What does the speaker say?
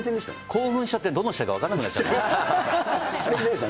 興奮しちゃってどの試合か分からなくなっちゃった。